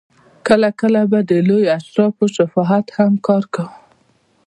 کله کله به د لویو اشرافو شفاعت هم کار کاوه.